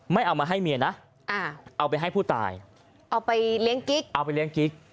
ไม่เอามาให้เมียนะเอาไปให้ผู้ตายเอาไปเลี้ยงกิ๊ก